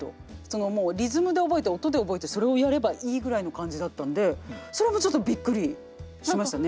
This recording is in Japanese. もうリズムで覚えて音で覚えてそれをやればいいぐらいの感じだったんでそれもちょっとびっくりしましたね。